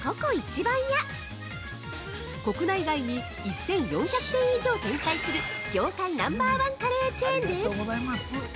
番屋国内外に１４００店以上展開する業界ナンバーワンカレーチェーンです。